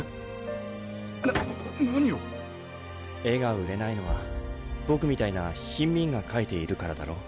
な何を絵が売れないのは僕みたいな貧民が描いているからだろ？